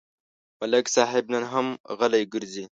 ملک صاحب نن هم غلی ګرځي.